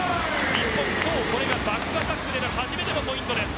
日本、今日これがバックアタックでの初めてのポイントです。